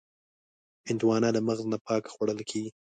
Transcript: هندوانه له مغز نه پاکه خوړل کېږي.